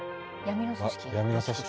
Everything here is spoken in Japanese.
闇の組織？